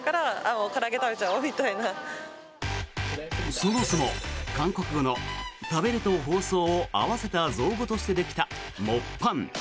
そもそも韓国語の食べると放送を合わせた造語としてできたモッパン。